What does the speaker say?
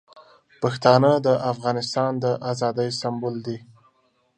پښتانه د افغانستان د ازادۍ سمبول دي.